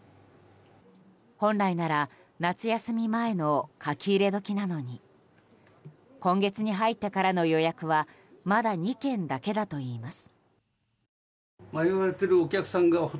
本来なら夏休み前の書き入れ時なのに今月に入ってからの予約はまだ２件だけだといいます。